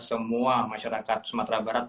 semua masyarakat sumatera barat